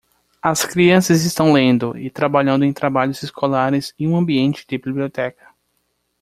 As crianças estão lendo e trabalhando em trabalhos escolares em um ambiente de biblioteca.